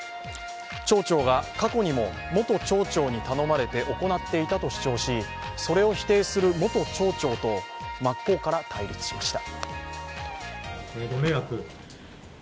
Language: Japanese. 町長が過去にも、元町長に頼まれて行っていたと主張し、それを否定する元町長と真っ向から対立しました。